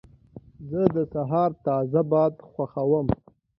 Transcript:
زه د سهار تازه باد خوښوم.